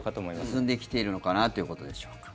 進んできているのかなということでしょうか。